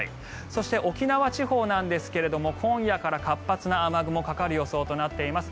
そして、沖縄地方なんですが今夜から活発な雨雲がかかる予想となっています。